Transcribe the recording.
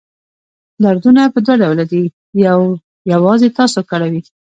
دردونه په دوه ډوله دي یو یوازې تاسو کړوي.